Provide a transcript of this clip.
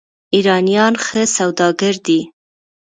ایرانیان ښه سوداګر دي.